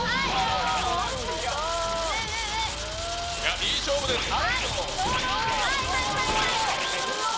いい勝負です。え？